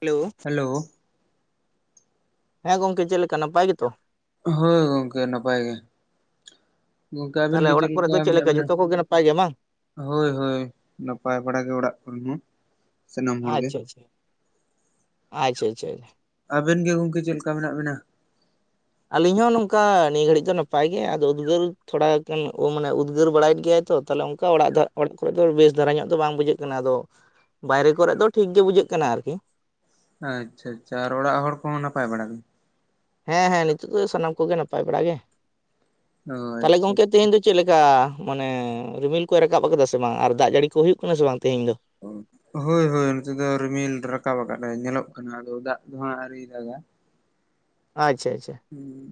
Hello hello ᱦᱮᱸ ᱜᱚᱝᱠᱮ ᱪᱮᱫ ᱞᱮᱠᱟ ᱱᱟᱯᱟᱭ ᱜᱮᱛᱚ ᱦᱳᱭ ᱜᱚᱝᱠᱮ ᱱᱟᱯᱟᱭ ᱜᱮ ᱜᱚᱢᱠᱮ ᱠᱟᱵᱤᱱ ᱛᱟᱦᱚᱞᱮ ᱜᱮ ᱪᱮᱫ ᱚᱲᱟᱜ ᱠᱚᱨᱮ ᱞᱮᱠᱟ ᱫᱚ ᱢᱮᱱᱟᱜ ᱵᱤᱱᱟ ᱡᱷᱚᱛᱚ ᱠᱚᱜᱮ ᱱᱟᱯᱟᱭ ᱜᱮ ᱵᱟᱝ ᱦᱳᱭ ᱦᱳᱭ ᱱᱟᱯᱟᱭ ᱵᱟᱲᱟ ᱜᱮ ᱚᱲᱟᱜ ᱠᱚᱨᱮ ᱦᱚᱸ ᱥᱟᱱᱟᱢ ᱦᱚᱲ ᱜᱮ ᱟᱪᱪᱷᱟ ᱟᱪᱪᱷᱟ ᱟᱪᱪᱷᱟ ᱟᱪᱪᱷᱟ ᱟᱵᱮᱱ ᱜᱮ ᱜᱚᱝᱠᱮ ᱪᱮᱫ ᱞᱮᱠᱟ ᱢᱮᱱᱟᱜ ᱵᱮᱱᱟ ᱟᱹᱞᱤᱧ ᱦᱚᱸ ᱱᱚᱝᱠᱟ ᱱᱤᱭᱟᱹ ᱜᱷᱟᱹᱲᱤᱡ ᱫᱚ ᱱᱟᱯᱟᱭ ᱜᱮ ᱟᱫᱚ ᱩᱫᱽᱜᱟᱹᱨ ᱛᱷᱚᱲᱟ ᱜᱟᱱ ᱢᱟᱱᱮ ᱩᱫᱽᱜᱟᱹᱨ ᱵᱟᱲᱟᱭᱮᱫ ᱜᱮᱭᱟᱭ ᱛᱚ ᱛᱟᱦᱞᱮ ᱚᱱᱠᱟ ᱚᱲᱟᱜ ᱫᱷᱟ ᱚᱲᱟᱜ ᱠᱚᱨᱮᱜ ᱫᱚ ᱵᱮᱥ ᱫᱷᱟᱨᱟ ᱧᱚᱜ ᱫᱚ ᱵᱟᱝ ᱵᱩᱡᱷᱟᱹᱜ ᱠᱟᱱᱟ ᱟᱫᱚᱼᱼ ᱵᱟᱭᱨᱮ ᱠᱚᱨᱮᱜ ᱫᱚ ᱴᱷᱤᱠ ᱜᱮ ᱵᱩᱡᱷᱟᱹᱜ ᱠᱟᱱᱟ ᱟᱨᱠᱤ᱾ ᱟᱪᱪᱷᱟ ᱟᱪᱪᱷᱟ ᱟᱨ ᱚᱲᱟᱜ ᱦᱚᱲ ᱠᱚᱦᱚᱸ ᱱᱟᱯᱟᱭ ᱵᱟᱲᱟ ᱜᱮ? ᱦᱮᱸ ᱦᱮᱸ ᱱᱤᱛᱚᱜ ᱫᱚ ᱥᱟᱱᱟᱢ ᱠᱚᱜᱮ ᱱᱟᱯᱟᱭ ᱵᱟᱲᱟ ᱜᱮ, ᱚ ᱛᱟᱦᱞᱮ ᱟᱪᱪᱷᱟ ᱜᱚᱝᱠᱮ ᱟᱪᱪᱷᱟ ᱛᱮᱦᱮᱧ ᱫᱚᱼᱼ ᱪᱮᱜ ᱞᱮᱠᱟ ᱢᱟᱱᱮ ᱨᱤᱢᱤᱞ ᱠᱚᱭ ᱨᱟᱠᱟᱵ ᱟᱠᱟᱫᱟ ᱥᱮ ᱵᱟᱝ ᱟᱨ ᱫᱟᱜ ᱡᱟᱹᱲᱤ ᱠᱚ ᱦᱩᱭᱩᱜ ᱠᱟᱱᱟ ᱥᱮ ᱵᱟᱝ ᱛᱮᱦᱮᱧ ᱫᱚ? ᱦᱚᱭ ᱦᱚᱭ ᱱᱚᱛᱮ ᱫᱚ ᱨᱤᱢᱤᱞ ᱨᱟᱠᱟᱵ ᱟᱠᱟᱫᱟᱭ ᱧᱮᱞᱚᱜ ᱠᱟᱱᱟ, ᱟᱫᱚ ᱫᱟᱜ ᱫᱚ ᱦᱟᱸᱜ ᱟᱹᱣᱤᱭ ᱫᱟᱜᱟ᱾ ᱟᱪᱪᱷᱟ ᱟᱪᱪᱷᱟ᱾ ᱦᱩᱸ,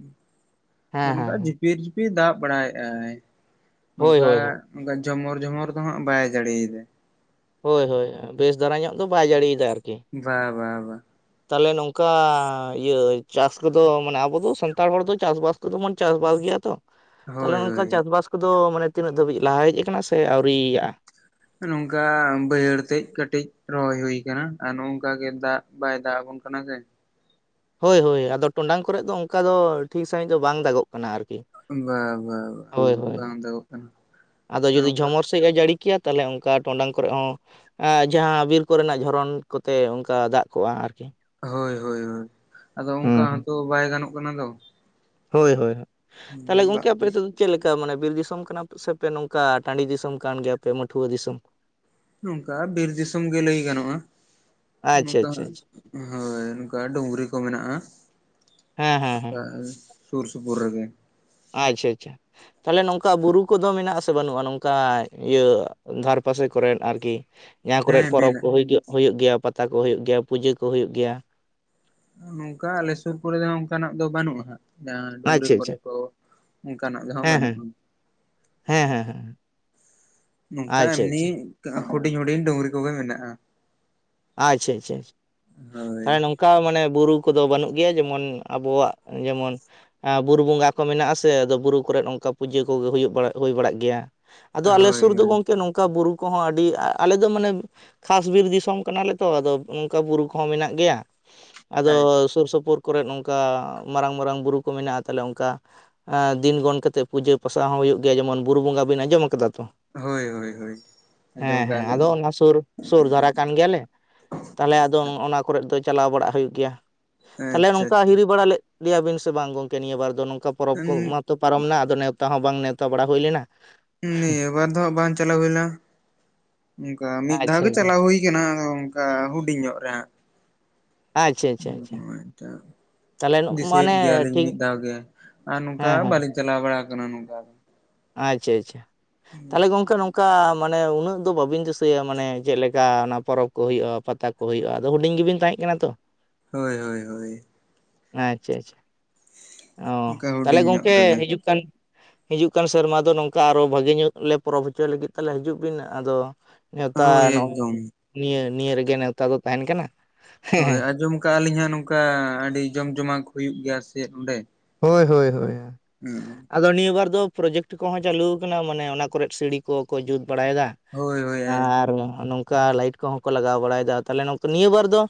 ᱟᱫᱚ ᱦᱮᱸ ᱦᱮᱸ ᱱᱚᱝᱠᱟ ᱡᱷᱤᱯᱤᱨ ᱡᱷᱤᱯᱤᱨ ᱫᱟᱜ ᱵᱟᱲᱟᱭᱮᱜᱼᱟᱭ᱾ ᱦᱳᱭ ᱱᱚᱝᱠᱟ ᱦᱳᱭ ᱦᱳᱭ ᱚᱱᱠᱟ ᱡᱷᱚᱢᱚᱨ ᱡᱷᱚᱢᱚᱨ ᱫᱚ ᱦᱟᱸᱜ ᱵᱟᱭ ᱡᱟᱲᱤ ᱮᱫᱟ᱾ ᱦᱚᱭ ᱦᱚᱭ ᱵᱮᱥ ᱫᱷᱟᱨᱟ ᱧᱚᱜ ᱫᱚ ᱵᱟᱭ ᱡᱟᱹᱲᱤᱭᱮᱫᱟ ᱟᱨᱠᱤ ᱾ ᱵᱟ ᱵᱟ ᱵᱟ᱾ ᱛᱟᱦᱞᱮ ᱱᱚᱝᱠᱟ ᱤᱭᱟᱹ ᱪᱟᱥ ᱠᱚᱫᱚ ᱢᱟᱱᱮ ᱟᱵᱚ ᱫᱚ ᱥᱟᱱᱛᱟᱲ ᱦᱚᱲ ᱫᱚ ᱪᱟᱥ ᱵᱟᱥ ᱠᱚᱛᱮ ᱵᱚᱱ ᱪᱟᱥ ᱵᱟᱥ ᱜᱮᱭᱟ ᱛᱚ? ᱛᱟᱞᱦᱮ ᱦᱳᱭ ᱱᱚᱝᱠᱟ ᱦᱳᱭ ᱪᱟᱥᱼᱵᱟᱥ ᱠᱚᱫᱚ ᱢᱟᱱᱮ ᱛᱤᱱᱟᱹᱜ ᱫᱷᱟᱹᱵᱤᱡ ᱞᱟᱦᱟ ᱦᱮᱡ ᱟᱠᱟᱱᱟ ᱥᱮ ᱟᱹᱣᱨᱤᱭᱟᱜᱼᱟ ᱾ ᱱᱚᱝᱠᱟ ᱵᱟᱹᱭᱦᱟᱹᱲ ᱛᱮᱜ ᱠᱟᱹᱴᱤᱡ ᱨᱚᱦᱚᱭ ᱦᱩᱭ ᱟᱠᱟᱱᱟ ᱟᱨ ᱱᱚᱝᱠᱟ ᱜᱮ ᱫᱟᱜ ᱵᱟᱭ ᱫᱟᱜ ᱟᱵᱚᱱ ᱠᱟᱱᱟ ᱥᱮ ᱾ ᱦᱚᱭ ᱦᱚᱭ ᱟᱫᱚ ᱴᱚᱰᱟᱝ ᱠᱚᱨᱮᱜ ᱫᱚ ᱚᱝᱠᱟ ᱫᱚ ᱴᱷᱤᱠ ᱥᱟᱺᱦᱤᱡ ᱫᱚ ᱵᱟᱝ ᱫᱟᱜᱚᱜ ᱠᱟᱱᱟ ᱟᱨᱠᱤ ᱾ ᱵᱟ ᱵᱟ ᱵᱟᱝ ᱫᱟᱜᱚᱜᱼᱼ ᱟᱫᱚ ᱡᱩᱫᱤ ᱡᱷᱚᱢᱚᱨ ᱥᱟᱦᱤᱜ ᱮ ᱡᱟᱹᱲᱤ ᱠᱮᱭᱟ ᱛᱟᱞᱦᱮ ᱚᱝᱠᱟ ᱴᱚᱰᱟᱝ ᱠᱚᱨᱮ ᱦᱚᱸᱼᱼ ᱟ ᱡᱟᱦᱟᱸ ᱵᱤᱨ ᱠᱚᱨᱮᱱᱟᱜ ᱡᱷᱚᱨᱚᱱ ᱠᱚᱛᱮ ᱚᱝᱠᱟ ᱫᱟᱜ ᱠᱚᱜᱼᱟ ᱟᱨᱠᱤ ᱾ ᱦᱚᱭ ᱦᱚᱭ ᱦᱚᱭ ᱟᱫᱚ ᱚᱝᱠᱟ ᱦᱚᱸᱛᱚ ᱵᱟᱭ ᱜᱟᱱᱚᱜ ᱠᱟᱱᱟ ᱫᱚ᱾ ᱦᱚᱭ ᱦᱚᱭ, ᱛᱟᱦᱞᱮ ᱫᱟᱜ ᱜᱚᱝᱠᱮ ᱟᱯᱮ ᱜᱮ ᱥᱮᱫᱼᱼ ᱪᱮᱜ ᱞᱮᱠᱟ ᱢᱟᱱᱮ ᱵᱤᱨ ᱫᱤᱥᱚᱢ ᱠᱟᱱᱟ ᱥᱮ ᱯᱮ ᱱᱚᱝᱠᱟ ᱴᱟᱺᱰᱤ ᱫᱤᱥᱚᱢ ᱠᱟᱱ ᱜᱮᱭᱟ ᱯᱮ ᱢᱟᱹᱴᱷᱩᱣᱟᱹ ᱫᱤᱥᱚᱢ, ᱪᱮᱜ? ᱱᱚᱝᱠᱟ ᱵᱤᱨ ᱫᱤᱥᱚᱢ ᱜᱮ ᱞᱟᱹᱭ ᱜᱟᱱᱚᱜᱼᱟ, ᱟᱪᱪᱷᱟ ᱱᱚᱝᱠᱟᱼᱼ ᱟᱪᱪᱷᱟ ᱟᱪᱪᱷᱟ ᱦᱚᱭ ᱱᱚᱝᱠᱟ ᱰᱩᱝᱨᱤ ᱠᱚ ᱢᱮᱱᱟᱜᱼᱟ ᱦᱮᱸ ᱦᱮᱸ ᱦᱮᱸ ᱾ ᱥᱩᱨ ᱥᱩᱯᱩᱨ ᱨᱮᱜᱮ᱾ ᱟᱻᱪᱷᱟ ᱪᱷᱟ᱾ ᱛᱟᱞᱦᱮ ᱱᱚᱝᱠᱟ ᱵᱩᱨᱩ ᱠᱚᱫᱚ ᱢᱮᱱᱟᱜ ᱟᱥᱮ ᱵᱟᱹᱱᱩᱜᱼᱟ? ᱱᱚᱝᱠᱟ ᱤᱭᱟᱹ ᱫᱷᱟᱨ ᱯᱟᱥᱮ ᱠᱚᱨᱮᱱ ᱟᱨᱠᱤ ᱾ ᱡᱟᱦᱟᱸ ᱠᱚᱨᱮᱜ ᱦᱮᱸ ᱯᱚᱨᱚᱵᱽ ᱠᱚ ᱢᱮᱱᱟᱜ ᱦᱩᱭᱩᱜ ᱜᱮᱭᱟ, ᱯᱟᱛᱟ ᱠᱚ ᱦᱩᱭᱩᱜ ᱜᱮᱭᱟ ᱯᱩᱡᱟᱹ ᱠᱚ ᱦᱩᱭᱩᱜ ᱜᱮᱭᱟ ᱾ ᱱᱚᱝᱠᱟ ᱟᱞᱮ ᱥᱩᱨ ᱠᱚᱨᱮ ᱫᱚ ᱚᱱᱠᱟᱱᱟᱜ ᱫᱚ ᱵᱟᱹᱱᱩᱜᱼᱟ ᱦᱟᱸᱜ ᱾ ᱡᱟᱦᱟᱸ ᱰᱩᱝᱨᱤ ᱟᱪᱪᱷᱟ ᱟᱪᱪᱷᱟ ᱠᱚᱨᱮ ᱠᱚ ᱚᱱᱠᱟᱱᱟᱜ ᱫᱚᱦᱟᱸᱜ ᱦᱮᱸ ᱦᱮᱸ ᱵᱟᱹᱱᱩᱜᱼᱟ ᱾ ᱦᱮᱸ ᱦᱮᱸ ᱦᱮᱸ ᱱᱚᱝᱠᱟ ᱟᱪᱪᱷᱟ ᱮᱢᱱᱤ ᱟᱪᱪᱷᱟ ᱦᱩᱰᱤᱧᱼ ᱦᱩᱰᱤᱧ ᱰᱩᱝᱨᱤ ᱠᱚᱜᱮ ᱢᱮᱱᱟᱜᱼᱟ ᱾ ᱟᱪᱪᱷᱟ ᱟᱪᱪᱷᱟ ᱛᱟᱦ ᱱᱚᱝ ᱚᱱᱠᱟ ᱢᱟᱱᱮ ᱵᱩᱨᱩ ᱠᱚᱫᱚ ᱵᱟᱹᱱᱩᱜ ᱜᱮᱭᱟ, ᱡᱮᱢᱚᱱ ᱟᱵᱚᱣᱟᱜ ᱡᱮᱢᱚᱱᱼᱼ ᱟᱸ ᱵᱩᱨᱩ ᱵᱚᱸᱜᱟ ᱠᱚ ᱢᱮᱱᱟᱜᱼᱟ ᱥᱮ ᱟᱫᱚ ᱵᱩᱨᱩ ᱠᱚᱨᱮᱜ ᱱᱚᱝᱠᱟ ᱯᱩᱡᱟᱹ ᱠᱚᱜᱮ ᱦᱩᱭᱩᱜ ᱦᱩᱭ ᱵᱟᱲᱟᱜ ᱜᱮᱭᱟ᱾ ᱵᱟᱲᱟᱜ ᱜᱮᱭᱟ ᱾ ᱟᱫᱚ ᱟᱞᱮ ᱦᱳᱭ ᱥᱩᱨ ᱫᱚ ᱦᱳᱭ ᱜᱚᱝᱠᱮ ᱱᱚᱝᱠᱟ ᱵᱩᱨᱩ ᱠᱚᱦᱚᱸ ᱟᱹᱰᱤ ᱟᱞᱮ ᱫᱚ ᱢᱟᱱᱮ ᱠᱷᱟᱥ ᱵᱤᱨ ᱫᱤᱥᱚᱢᱼᱼ ᱠᱟᱱᱟ ᱞᱮ ᱛᱚ ᱟᱫᱚ ᱚᱝᱠᱟ ᱵᱩᱨᱩ ᱠᱚᱦᱚᱸ ᱢᱮᱱᱟᱜ ᱜᱮᱭᱟ ᱟᱡ ᱟᱫᱚᱼᱼ ᱥᱩᱨ ᱥᱩᱯᱩᱨ ᱠᱚᱨᱮᱜ ᱱᱚᱝᱠᱟ ᱢᱟᱨᱟᱝᱼᱢᱟᱨᱟᱝ ᱵᱩᱨᱩ ᱠᱚ ᱢᱮᱱᱟᱜᱼᱟ, ᱛᱟᱞᱮ ᱚᱝᱠᱟᱼᱼ ᱟ ᱫᱤᱱ ᱜᱚᱱ ᱠᱟᱛᱮᱜ ᱯᱩᱡᱟᱹ ᱯᱟᱥᱟᱜ ᱦᱚᱸ ᱦᱩᱭᱩᱜ ᱜᱮᱭᱟ, ᱡᱮᱢᱚᱱ ᱵᱩᱨᱩ ᱵᱚᱸᱜᱟ ᱵᱤᱱ ᱟᱸᱡᱚᱢ ᱟᱠᱟᱫᱟ ᱛᱚ? ᱦᱳᱭ ᱦᱳᱭ ᱦᱳᱭ ᱟᱸᱡᱚᱢ ᱦᱮᱸ ᱠᱟᱜᱼᱟ ᱦᱮᱸ ᱟᱫᱚ ᱞᱤᱧ ᱚᱱᱟ ᱥᱩᱨ ᱥᱳᱨ ᱫᱷᱟᱨᱟ ᱠᱟᱱ ᱜᱮᱭᱟᱞᱮ ᱛᱟᱞᱦᱮ ᱟᱫᱚ ᱚᱱᱟ ᱠᱚᱨᱮᱜ ᱫᱚ ᱪᱟᱞᱟᱣ ᱵᱟᱲᱟᱜ ᱦᱩᱭᱩᱜ ᱜᱮᱭᱟ ᱾ ᱛᱟᱦᱞᱮ ᱟᱪᱪᱷᱟ ᱱᱚᱝᱠᱟ ᱦᱤᱨᱤ ᱵᱟᱲᱟ ᱞᱮᱜ ᱞᱮᱭᱟ ᱵᱤᱱ ᱥᱮ ᱵᱟᱝ ᱜᱚᱝᱠᱮ ᱱᱤᱭᱟᱹ ᱵᱟᱨ ᱫᱚ ᱱᱚᱝᱠᱟ ᱯᱚᱨᱚᱵᱽ ᱠᱚ ᱢᱟᱼᱼ ᱛᱚ ᱯᱟᱨᱚᱢᱮᱱᱟ ᱟᱫᱚ ᱱᱮᱣᱛᱟ ᱦᱚᱸ ᱵᱟᱝ ᱱᱮᱣᱛᱟ ᱵᱟᱲᱟ ᱦᱩᱭ ᱞᱮᱱᱟ᱾ ᱱᱤᱸᱭᱟ ᱵᱟᱨ ᱫᱚ ᱦᱟᱸᱜ ᱵᱟᱝ ᱪᱟᱞᱟᱣ ᱦᱩᱭ ᱞᱮᱱᱟ, ᱚᱝᱠᱟ ᱢᱤᱫ ᱫᱷᱟᱣ ᱟᱪᱪᱷᱟ ᱜᱮ ᱟᱪᱪᱷᱟ ᱪᱟᱞᱟᱣ ᱦᱩᱭ ᱟᱠᱟᱱᱟ ᱟᱫᱚ ᱚᱝ ᱚᱱᱠᱟ ᱦᱩᱰᱤᱧ ᱧᱚᱜ ᱨᱮ ᱦᱟᱸᱜ ᱾ ᱟᱪᱪᱷᱟ ᱟᱪᱪᱷᱟ ᱟᱪᱷᱟ᱾ [unintelligible] ᱫᱤᱥᱟᱹᱭᱮᱫ ᱜᱮᱭᱟᱞᱤᱧ ᱴᱷᱤᱠ ᱢᱤᱫ ᱫᱷᱟᱣ ᱜᱮ ᱟᱨ ᱱᱚᱝᱠᱟ ᱦᱮᱸ ᱦᱮᱸ ᱵᱟᱹᱞᱤᱧᱼᱼ ᱪᱟᱞᱟᱣ ᱵᱟᱲᱟ ᱠᱟᱱᱟ ᱱᱚᱝᱠᱟ ᱫᱚ᱾ ᱟᱪᱪᱷᱟ ᱟᱪᱪᱷᱟ, ᱛᱟᱦᱚᱞᱮ ᱜᱚᱝᱠᱮ ᱱᱚᱝ ᱠᱟ ᱢᱟᱱᱮ ᱩᱱᱟᱹᱜ ᱫᱚ ᱵᱟᱹᱵᱤᱱ ᱫᱤᱥᱟᱹᱭᱟ ᱢᱟᱱᱮ ᱪᱮᱜ ᱞᱮᱠᱟ ᱚᱱᱟ ᱯᱚᱨᱚᱵᱽ ᱠᱚ ᱦᱩᱭᱩᱜᱼᱟ, ᱯᱟᱛᱟ ᱠ ᱦᱳᱭ! ᱟᱫᱚ ᱦᱩᱰᱤᱧ ᱜᱮᱵᱤᱱ ᱛᱟᱦᱮᱸᱡ ᱠᱟᱱᱟ ᱛᱚ ᱾ ᱦᱳᱭ ᱦᱳᱭ ᱦᱳᱭ᱾ ᱟᱸᱪᱪᱷᱟᱹ ᱟᱪᱪᱷᱟᱹ ᱚᱸ ᱚᱱᱠᱟ ᱛᱟᱦᱮᱞᱮ ᱦᱩᱰᱤᱧ ᱧᱚᱜ ᱜᱚᱝᱠᱮ ᱨᱮᱜᱮ ᱦᱤᱡᱩᱜ ᱠᱟᱱ ᱦᱤᱡᱩᱜ ᱠᱟᱱ ᱥᱮᱨᱢᱟ ᱫᱚ ᱱᱚᱝᱠᱟ ᱟᱨᱚ ᱵᱷᱟᱹᱜᱤ ᱧᱩᱜ ᱞᱮ ᱯᱚᱨᱚᱵᱽ ᱦᱚᱪᱚᱭ ᱞᱟᱹᱜᱤᱫ, ᱛᱟᱦᱮᱞᱮ ᱦᱤᱡᱩᱜ ᱵᱤᱱ, ᱟᱫᱚ ᱱᱮᱣᱛᱟ ᱦᱳᱭ ᱱᱚᱝ ᱮᱠᱫᱚᱢ ᱱᱤᱭᱟᱹ, ᱱᱤᱭᱟᱹ ᱨᱮᱜᱮ ᱱᱮᱣᱛᱟ ᱫᱚ ᱛᱟᱦᱮᱸᱱ ᱠᱟᱱᱟ? ᱦᱮᱸ ᱦᱳᱭ ᱦᱮᱸ ᱟᱸᱡᱚᱢ ᱟᱠᱟᱜ ᱟᱹᱞᱤᱧ ᱦᱟᱸᱜ ᱱᱚᱝᱠᱟ ᱟᱹᱰᱤ ᱡᱚᱢ ᱡᱚᱢᱟᱠ ᱦᱩᱭᱩᱜ ᱜᱮᱭᱟ ᱥᱮᱫ ᱚᱸᱰᱮ? ᱦᱳᱭ ᱦᱳᱭ ᱦᱳᱭ ᱦᱳᱭ ᱾ ᱦᱩᱸ, ᱟᱫᱚ ᱱᱤᱭᱟᱹ ᱵᱟᱨ ᱫᱚ ᱯᱨᱚᱡᱮᱠᱴ ᱠᱚᱦᱚᱸ ᱪᱟᱹᱞᱩ ᱣᱟᱠᱟᱱᱟ ᱢᱟᱱᱮ ᱚᱱᱟ ᱠᱚᱨᱮᱫ ᱥᱤᱲᱤ ᱠᱚ ᱠᱚ ᱡᱩᱛ ᱵᱟᱲᱟᱭᱮᱫᱟ ᱦᱳᱭ ᱦᱳᱭ ᱾ ᱟᱨ ᱱᱚᱜᱼᱱᱚᱝᱠᱟ ᱞᱟᱹᱭᱤᱴ ᱠᱚᱦᱚᱸ ᱠᱚ ᱞᱟᱜᱟᱣ ᱵᱟᱲᱟᱭᱮᱫᱟ, ᱛᱟᱦᱮᱞᱮ ᱱᱚᱠ ᱱᱤᱭᱟᱹ ᱵᱟᱨ ᱫᱚ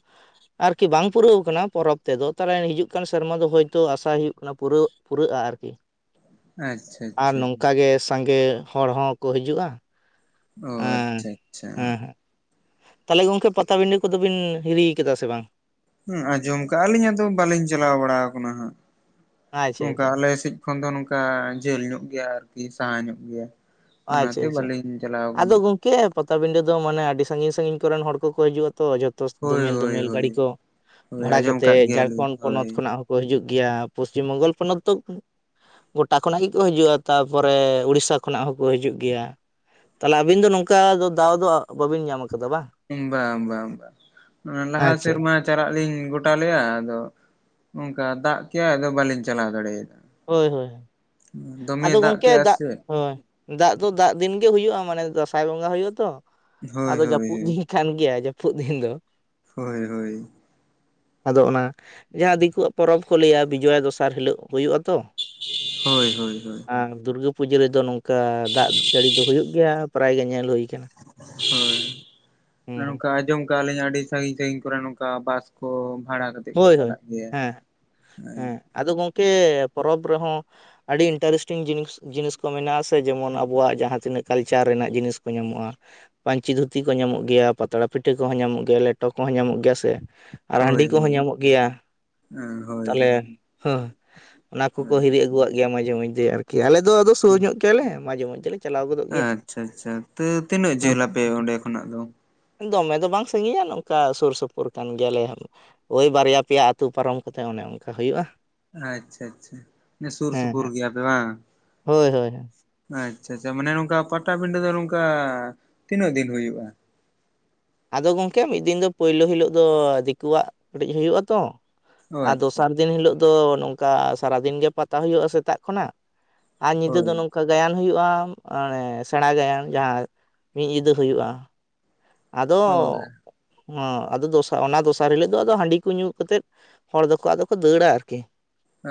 ᱟᱨᱠᱤ ᱵᱟᱝ ᱯᱩᱨᱟᱹᱣ ᱟᱠᱟᱱᱟ ᱯᱚᱨᱚᱵᱽ ᱛᱮᱫᱚ, ᱛᱟᱦᱮᱞᱮ ᱦᱤᱡᱩᱜ ᱠᱟᱱ ᱥᱮᱨᱢᱟ ᱫᱚ ᱦᱳᱭᱛᱳ ᱟᱥᱟᱭ ᱦᱩᱭᱩᱜ ᱠᱳᱱᱟ, ᱯᱩᱨᱟᱹᱜ ᱯᱩᱨᱟᱹᱜᱼᱟ ᱟᱨᱠᱤ ᱟᱪᱪᱷᱟ ᱟᱨ ᱟᱪᱪᱷᱟ ᱱᱚᱝᱠᱟ ᱟᱪᱪᱷᱟ ᱜᱮ ᱥᱟᱸᱜᱮ ᱦᱚᱲ ᱦᱚᱸᱠᱚ ᱦᱤᱡᱩᱜᱼᱟ, ᱚ ᱟᱪᱪᱷᱟ ᱟᱪᱪᱷᱟ᱾ ᱛᱟᱦᱮᱞᱮ ᱜᱚᱝᱠᱮ ᱯᱟᱛᱟ ᱵᱤᱰᱟᱹ ᱠᱚᱫᱚ ᱵᱤᱱ ᱦᱤᱨᱤ ᱟᱠᱟᱫᱟ ᱥᱮ ᱵᱟᱝ? ᱦᱩᱸ, ᱟᱸᱡᱚᱢ ᱠᱟᱜᱼᱟᱹᱞᱤᱧ ᱟᱫᱚ ᱵᱟᱹᱞᱤᱧ ᱪᱟᱞᱟᱣ ᱵᱟᱲᱟᱣᱟᱠᱟᱱᱟ ᱦᱟᱸᱜ, ᱟᱪᱪᱷᱟ ᱱᱚᱝᱠᱟ ᱟᱪᱪᱷᱟ ᱟᱞᱮ ᱥᱮᱡ ᱠᱷᱚᱱ ᱫᱚ ᱱᱚᱝᱠᱟ ᱡᱷᱟᱹᱞ ᱧᱚᱜ ᱜᱮᱭᱟ, ᱟᱨᱠᱤ ᱥᱟᱦᱟ ᱧᱚᱜ ᱜᱮᱭᱟ᱾ ᱚᱱᱟᱛᱮ ᱵᱟᱹᱞᱤᱧ ᱪᱟᱞᱟᱣ ᱣᱟᱠᱟᱱᱟ᱾ ᱠᱮᱼᱟ, ᱯᱟᱛᱟ ᱵᱤᱰᱟᱹ ᱫᱚ ᱢᱟᱱᱮ ᱟᱹᱰᱤ ᱥᱟᱺᱜᱤᱧ ᱥᱟᱺᱜᱤᱧ ᱠᱚᱨᱮᱱ ᱦᱚᱲ ᱠᱚᱠᱚ ᱦᱤᱡᱩᱜᱼᱟ ᱛᱚ ᱡᱷᱳᱛ- ᱛᱚᱥ ᱦᱳᱭ ᱫᱚᱢᱮᱞ ᱦᱳᱭ ᱫᱚᱢᱮᱞ ᱦᱳᱭ ᱜᱟᱹᱲᱤ ᱠᱚ ᱦᱳᱭ ᱵᱷᱟᱲᱟ ᱟᱸᱡᱚᱢ ᱠᱟᱛᱮ, ᱠᱟᱫ ᱜᱮᱭᱟᱞᱤᱧ ᱡᱷᱟᱨᱠᱷᱚᱱᱰ ᱯᱚᱱᱚᱛ ᱦᱳᱭ ᱠᱷᱚᱱᱟᱜ ᱦᱚᱸ ᱠᱚ ᱦᱤᱡᱩᱜ ᱜᱮᱭᱟ, ᱯᱚᱥᱪᱤᱢ ᱵᱚᱝᱜᱚᱞ ᱯᱚᱱᱚᱛ ᱫᱚᱠ ᱩᱸ ᱜᱚᱴᱟ ᱠᱷᱚᱱᱟᱜ ᱜᱮᱠᱚ ᱦᱤᱡᱩᱜᱼᱟ, ᱛᱟᱯᱚᱨᱮ ᱩᱲᱤᱥᱥᱟ ᱠᱷᱚᱱᱟᱜ ᱦᱚᱸᱠ ᱠᱚ ᱦᱤᱡᱩᱜ ᱜᱮᱭᱟ, ᱛᱟᱦᱮᱞᱮ ᱟᱹᱵᱤᱱ ᱫᱚ ᱱᱚᱝᱠᱟ ᱫᱚ ᱫᱟᱣ ᱫᱚᱣᱟᱜ ᱵᱟᱹᱵᱤᱱ ᱧᱟᱢ ᱟᱠᱟᱫᱟ ᱵᱟᱝ? ᱦᱩᱸ ᱵᱟᱝ ᱵᱟᱝ ᱵᱟᱝ, ᱱᱚᱭᱼᱚᱭ ᱞᱟᱦᱟ ᱟᱪᱪᱷᱟ ᱥᱮᱨᱢᱟ ᱪᱟᱞᱟᱜ ᱞᱤᱧ ᱜᱚᱴᱟ ᱞᱮᱜᱼᱟ, ᱟᱫᱚ ᱚᱸᱠᱟ ᱫᱟᱜ ᱠᱮᱜᱼᱟᱭ, ᱟᱫᱚ ᱵᱟᱹᱞᱤᱧ ᱪᱟᱞᱟᱣ ᱫᱟᱲᱮ ᱭᱟᱫᱟᱜᱼᱟ᱾ ᱦᱳᱭ ᱦᱳᱭ ᱦᱳᱭ, ᱟᱫᱚ ᱜᱚᱝᱠᱮ ᱠᱮᱜᱼᱟ ᱫᱟᱜ, ᱥᱮ ᱦᱳᱭ᱾ ᱫᱟᱜ ᱫᱚ ᱫᱟᱜ ᱫᱤᱱ ᱜᱮ ᱦᱩᱭᱩᱜᱼᱟ ᱢᱟᱱᱮ ᱫᱟᱸᱥᱟᱭ ᱵᱚᱸᱜᱟ ᱦᱩᱭᱩᱜᱼᱟ ᱛᱚ, ᱦᱳᱭ ᱟᱫᱚ ᱦᱳᱭ ᱡᱟᱹᱯᱩᱫ ᱦᱳᱭ ᱫᱤᱱ ᱠᱷᱟᱱ ᱜᱮᱭᱟ ᱡᱟᱹᱯᱩᱫ ᱫᱤᱱ ᱫᱚ᱾ ᱦᱳᱭ ᱦᱳᱭ᱾ ᱟᱫᱚ ᱚᱱᱟ ᱡᱟᱦᱟᱸ ᱫᱤᱠᱩᱣᱟᱜ ᱯᱚᱨᱚᱵᱽ ᱠᱚ ᱞᱟᱹᱭᱼᱟ, ᱵᱤᱡᱽᱣᱟᱭ ᱫᱚᱥᱟᱨ ᱦᱤᱞᱟᱹᱜ ᱦᱩᱭᱩᱜ-ᱟ ᱛᱚ᱾ ᱦᱳᱭ ᱦᱳᱭ ᱦᱳᱭ᱾ ᱟᱝ ᱫᱩᱨᱜᱟᱹ ᱯᱩᱡᱟᱹ ᱨᱮᱫᱚ ᱱᱚᱝᱠᱟ ᱫᱟᱜ ᱡᱟᱹᱲᱤ ᱫᱚ ᱦᱩᱭᱩᱜ ᱜᱮᱭᱟ, ᱯᱟᱨᱟᱭ ᱜᱮ ᱧᱮᱞ ᱦᱩᱭ ᱠᱟᱱᱟ ᱦᱳᱭ, ᱦᱩᱸ ᱦᱩᱸ, ᱱᱚᱜᱼᱱᱚᱝᱠᱟ ᱟᱸᱡᱚᱢ ᱠᱟᱜ ᱟᱹᱞᱤᱧ ᱟᱹᱰᱤ ᱥᱟᱹᱜᱤᱧ ᱥᱟᱹᱜᱤᱧ ᱠᱚᱨᱮ ᱱᱚᱝᱠᱟ ᱵᱟᱥ ᱠᱚ ᱵᱷᱟᱲᱟ ᱠᱟᱛ ᱛᱮᱜ ᱠᱚ ᱦᱳᱭ ᱦᱳᱭ ᱪᱟᱞᱟᱜ ᱜᱮᱭᱟ, ᱦᱮᱸ ᱦᱮᱸ᱾ ᱟᱫᱚ ᱜᱚᱝᱠᱮ ᱯᱚᱨᱚᱵᱽ ᱨᱮᱦᱚᱸ ᱟᱹᱰᱤ ᱤᱱᱴᱟᱨᱮᱥᱴᱤᱝ ᱡᱤᱱᱤᱥ ᱡᱤᱱᱤᱥ ᱠᱚ ᱢᱮᱱᱟᱜᱼᱟ ᱥᱮ, ᱡᱮᱢᱚᱱ ᱟᱵᱳᱣᱟᱜ ᱡᱟᱦᱟᱸ ᱛᱤᱱᱟᱹᱜ ᱠᱟᱞᱪᱟᱨ ᱨᱮᱱᱟᱜ ᱡᱤᱱᱤᱥ ᱠᱚ ᱧᱟᱢᱚᱜᱼᱟ᱾ ᱯᱟᱹᱧᱪᱤ ᱫᱷᱩᱛᱤ ᱠᱚ ᱧᱟᱢᱚᱜ ᱜᱮᱭᱟ, ᱯᱟᱛᱲᱟ ᱯᱤᱴᱷᱟᱹ ᱠᱚᱦᱚᱸ ᱧᱟᱢᱚᱜ ᱜᱮᱭᱟ, ᱞᱮᱴᱚ ᱠᱚᱦᱚᱸ ᱧᱟᱢᱚᱜ ᱜᱮᱭᱟ ᱥᱮ? ᱟᱨ ᱦᱳᱭ ᱦᱟᱺᱰᱤ ᱠᱚᱦᱚᱸ ᱦᱳᱭ ᱧᱟᱢᱚᱜ ᱜᱮᱭᱟ, ᱦᱮᱸ ᱦᱳᱭ ᱛᱟᱞᱦᱮ ᱦᱚᱦᱼᱚ, ᱚᱱᱟ ᱠᱚᱠᱚ ᱦᱳᱭ ᱦᱤᱨᱤ ᱟᱹᱜᱩᱣᱟᱜ ᱜᱮᱭᱟ, ᱢᱟᱡᱽᱷᱮ ᱢᱚᱡᱽᱫᱷᱮ ᱟᱨᱠᱤ ᱟᱞᱮ ᱫᱚ ᱟᱫᱚ ᱥᱩᱨ ᱧᱚᱜ ᱜᱮ ᱛᱮᱞᱮ, ᱢᱟᱡᱽᱮ ᱢᱚᱡᱽᱫᱷᱮ ᱞᱮ ᱪᱟᱞᱟᱣ ᱜᱚᱫᱚᱜ ᱜᱮᱭᱟ ᱟᱻᱪᱪᱷᱟ ᱟᱪᱪᱷᱟ, ᱛᱟᱹ ᱛᱤᱱᱟᱹᱜ ᱡᱷᱟᱹᱞ ᱟᱯᱮ ᱚᱸᱰᱮ ᱠᱷᱚᱱᱟᱜ ᱫᱚ? ᱫᱚᱢᱮ ᱫᱚ ᱵᱟᱝ ᱥᱟᱺᱜᱤᱧᱟ ᱱᱚᱝᱠᱟ ᱥᱩᱨ ᱥᱩᱯᱩᱨ ᱠᱟᱱ ᱜᱮᱭᱟᱞᱮ᱾ ᱳᱭ ᱵᱟᱨᱭᱟ ᱯᱮᱭᱟ ᱟᱹᱛᱩ ᱯᱟᱨᱚᱢ ᱠᱟᱛᱮ ᱚᱱᱮ ᱚᱱᱠᱟ ᱦᱩᱭᱩᱜᱼᱟ᱾ ᱟᱪᱪᱷᱟ ᱟᱪᱪᱷᱟ ᱥᱩᱨ ᱦᱮᱸ ᱥᱩᱯᱩᱨ ᱦᱮᱸ ᱜᱮᱭᱟᱯᱮ ᱵᱟᱝ᱾ ᱦᱳᱭ ᱦᱳᱭ ᱦᱳᱭ᱾ ᱟᱪᱪᱷᱟ ᱟᱪᱪᱷᱟ, ᱢᱟᱱᱮ ᱱᱚᱝᱠᱟ ᱯᱟᱴᱟᱵᱤᱸᱰᱟᱹ ᱫᱚ ᱱᱚᱝᱠᱟ ᱛᱤᱱᱟᱹᱜ ᱫᱤᱱ ᱦᱩᱭᱩᱜᱼᱟ? ᱟᱫᱚ ᱜᱚᱢᱠᱮ ᱢᱤᱫ ᱫᱤᱱ ᱫᱚ ᱯᱳᱭᱞᱳ ᱦᱤᱞᱳᱜ ᱫᱚ ᱫᱤᱠᱩᱣᱟᱜ ᱠᱟᱹᱴᱤᱡ ᱦᱩᱭᱩᱜ-ᱟ ᱛᱚ, ᱚ ᱟᱨ ᱟᱪᱪᱷᱟ ᱫᱚᱥᱟᱨ ᱫᱤᱱ ᱦᱤᱞᱳᱜ ᱫᱚ ᱱᱚᱝᱠᱟ ᱥᱟᱨᱟᱫᱤᱱ ᱜᱮ ᱯᱟᱛᱟ ᱦᱩᱭᱩᱜᱼᱟ ᱥᱮᱛᱟᱜ ᱠᱷᱚᱱᱟᱜ᱾ ᱟᱨ ᱧᱤᱫᱟᱹ ᱦᱳᱭ ᱫᱚ ᱱᱚᱝᱠᱟ ᱜᱟᱭᱟᱱ ᱦᱩᱭᱩᱜᱼᱟ, ᱢᱚᱱᱮ ᱥᱮᱲᱟ ᱜᱟᱭᱟᱱ ᱡᱟᱸᱦᱟ ᱢᱤᱫ ᱧᱤᱫᱟᱹ ᱦᱩᱭᱩᱜᱼᱟ᱾ ᱦᱳᱭ ᱟᱫᱚ ᱚ ᱟᱫᱚ ᱫᱚᱥᱟᱨ ᱚᱱᱟ ᱫᱚᱥᱟᱨ ᱦᱤᱞᱳᱜ ᱫᱚ ᱟᱫᱚ ᱦᱟᱺᱰᱤ ᱠᱚ ᱧᱩ ᱠᱟᱛᱮᱫ ᱦᱚᱲ ᱫᱚᱠᱚ ᱟᱫᱚ ᱠᱚ ᱫᱟᱹᱲᱟ ᱟᱨᱠᱤ᱾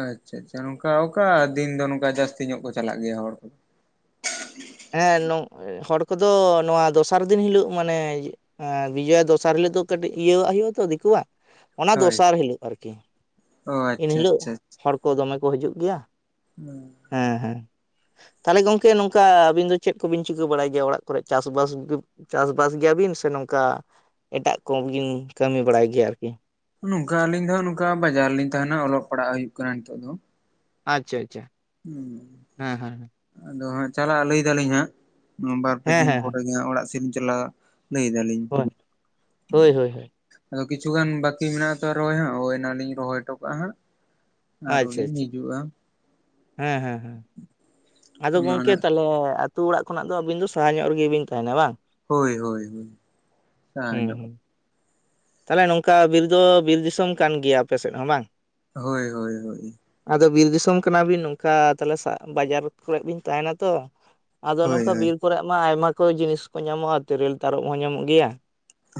ᱟᱪᱪᱷᱟ ᱟᱪᱪᱷᱟ ᱱᱚᱝᱠᱟ ᱚᱠᱟ ᱫᱤᱱ ᱫᱚ ᱱᱚᱝᱠᱟ ᱡᱟᱹᱥᱛᱤ ᱧᱚᱜ ᱠᱚ ᱪᱟᱞᱟᱜ ᱜᱮᱭᱟ ᱦᱚᱲ ᱠᱚᱫᱚ? ᱦᱮᱸ ᱦᱚᱲ ᱠᱚᱫᱚ ᱱᱚᱣᱟ ᱫᱚᱥᱟᱨ ᱫᱤᱱ ᱦᱤᱞᱳᱜ ᱢᱟᱱᱮ ᱦᱮᱸ ᱵᱤᱡᱚᱭᱟ ᱫᱚᱥᱟᱨ ᱦᱤᱞᱳᱜ ᱫᱚ ᱠᱟᱹᱴᱤᱡ ᱤᱭᱟᱹᱣᱟᱜ ᱦᱩᱭᱩᱜᱼᱟ ᱛᱚ ᱫᱤᱠᱩᱣᱟᱜ, ᱚᱱᱟ ᱦᱳᱭ ᱫᱚᱥᱟᱨ ᱦᱤᱞᱳᱜ ᱟᱨᱠᱤ ᱚ ᱮᱱ ᱟᱪᱪᱷᱟ ᱦᱤᱞᱳᱜ ᱟᱪᱪᱷᱟ ᱟᱪᱪᱷᱟ ᱦᱚᱲ ᱠᱚ ᱫᱚᱢᱮ ᱠᱚ ᱦᱤᱡᱩᱜ ᱜᱮᱭᱟ᱾ [inaudible] ᱦᱮᱸ ᱦᱮᱸ ᱛᱟᱦᱚᱞᱮ ᱜᱚᱝᱠᱮ ᱱᱚᱝᱠᱟ ᱟᱹᱵᱤᱱ ᱫᱚ ᱪᱮᱫ ᱠᱚᱵᱤᱱ ᱪᱤᱠᱟᱹ ᱵᱟᱲᱟᱭ ᱜᱮᱭᱟ ᱚᱲᱟᱜ ᱠᱚᱨᱮᱫ ᱪᱟᱥᱵᱟᱥ, ᱪᱟᱥᱵᱟᱥ ᱜᱮᱭᱟᱵᱤᱱ ᱥᱮ ᱱᱚᱝᱠᱟ ᱮᱴᱟᱜ ᱠᱚᱵᱤᱱ ᱠᱟᱹᱢᱤ ᱵᱟᱲᱟᱭ ᱜᱮᱭᱟ ᱟᱨᱠᱤ? ᱱᱚᱝᱠᱟ ᱟᱹᱞᱤᱧ ᱫᱚᱦ ᱱᱚᱝᱠᱟ ᱵᱟᱡᱟᱨ ᱨᱮᱞᱤᱤᱧ ᱛᱟᱦᱮᱱᱟ ᱚᱞᱚᱜ ᱯᱟᱲᱦᱟᱜ ᱦᱩᱭᱩᱜ ᱠᱟᱱᱟ ᱱᱤᱛᱚᱜ ᱫᱚ᱾ ᱟᱪᱪᱷᱟ ᱟᱪᱪᱷᱟ ᱦᱮᱸ ᱦᱮᱸ ᱦᱮᱸ ᱟᱫᱚ ᱦᱟᱸᱜ ᱪᱟᱞᱟᱜᱼᱟ ᱞᱟᱹᱭ ᱫᱟᱞᱤᱧ ᱦᱟᱸᱜ ᱵᱟᱨᱯᱮ ᱦᱮᱸ ᱫᱤᱱ ᱦᱮᱸ ᱯᱚᱨᱮ ᱜᱮ ᱚᱲᱟᱜ ᱥᱮᱫᱤᱧ ᱪᱟᱞᱟᱜ ᱞᱟᱹᱭ ᱫᱟᱞᱤᱧ᱾ ᱦᱮᱸ ᱦᱳᱭ ᱦᱳᱭ ᱦᱳᱭ ᱟᱫᱚ ᱠᱤᱪᱷᱩᱜᱟᱱ ᱵᱟᱹᱠᱤ ᱢᱮᱱᱟᱜ ᱛᱚ ᱨᱚᱦᱚᱭ ᱚᱱᱟᱞᱤᱧ ᱨᱚᱦᱚᱭ ᱦᱚᱴᱚ ᱠᱟᱜᱼᱟ ᱦᱟᱸᱜ, ᱟᱪᱪᱷᱟ ᱟᱨᱚᱞᱤᱧ ᱟᱪᱪᱷᱟ ᱦᱤᱡᱩᱜᱼᱟ᱾ ᱦᱮᱸ ᱦᱮᱸ ᱦᱮᱸ ᱟᱫᱚ ᱚᱱᱟ ᱜᱚᱝᱠᱮ ᱚᱱᱟ ᱛᱟᱦᱞᱮ ᱟᱹᱛᱩ ᱚᱲᱟᱜ ᱠᱷᱚᱱᱟᱜ ᱫᱚ ᱟᱹᱵᱤᱱ ᱫᱚ ᱥᱟᱦᱟ ᱧᱚᱜ ᱨᱮᱜᱮ ᱵᱤᱱ ᱛᱟᱦᱮᱱᱟ ᱵᱟᱝ? ᱦᱳᱭ ᱦᱳᱭ ᱦᱳᱭ ᱥᱟᱦᱟ ᱦᱩᱸ ᱧᱚᱜ ᱦᱩᱸ ᱾ ᱛᱟᱦᱚᱞᱮ ᱱᱚᱝᱠᱟ ᱵᱤᱨ ᱫᱚ ᱵᱤᱨ ᱫᱤᱥᱚᱢ ᱠᱟᱱ ᱜᱮᱭᱟ ᱟᱯᱮ ᱥᱮᱫ ᱦᱚᱸ ᱵᱟᱝ? ᱦᱳᱭ ᱦᱳᱭ ᱦᱳᱭ ᱟᱫᱚ ᱵᱤᱨ ᱫᱤᱥᱚᱢ ᱠᱟᱱᱟᱵᱤᱱ ᱱᱚᱝᱠᱟ ᱛᱟᱦᱚᱞᱮ ᱵᱟᱡᱟᱨ ᱠᱚᱨᱮ ᱵᱤᱱ ᱛᱟᱦᱮᱱᱟ ᱛᱚ, ᱟᱫᱚ ᱦᱳᱭ ᱱᱚᱝᱠᱟ ᱵᱤᱨ ᱠᱚᱨᱮ ᱢᱟ ᱟᱭᱢᱟ ᱠᱚ ᱡᱤᱱᱤᱥ ᱠᱚ ᱧᱟᱢᱚᱜᱼᱟ ᱛᱮᱨᱮᱞ ᱛᱟᱨᱚᱯ ᱦᱚᱸ ᱧᱟᱢᱚᱜ ᱜᱮᱭᱟ᱾